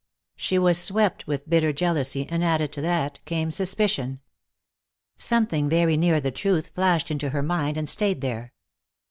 She was swept with bitter jealousy, and added to that came suspicion. Something very near the truth flashed into her mind and stayed there.